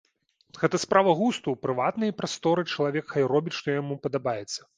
Гэта справа густу, у прыватнай прасторы чалавек хай робіць, што яму падабаецца.